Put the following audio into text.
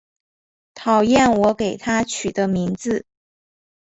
讨厌我给她取的名字